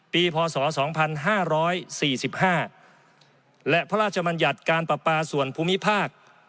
พศ๒๕๔๕และพระราชมัญญัติการประปาส่วนภูมิภาค